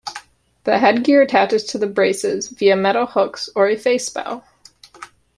The headgear attaches to the braces via metal hooks or a facebow.